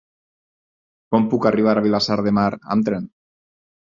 Com puc arribar a Vilassar de Mar amb tren?